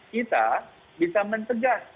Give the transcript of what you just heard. kita bisa mencegah